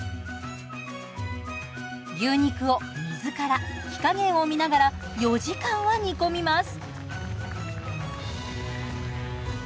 牛肉を水から火加減を見ながら４時間は煮込みます。